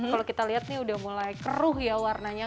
kalau kita lihat ini udah mulai keruh ya warnanya